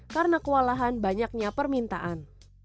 karena kewalahan banyaknya permintaan